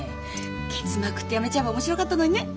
ケツまくって辞めちゃえば面白かったのにね。